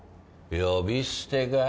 呼び捨てか？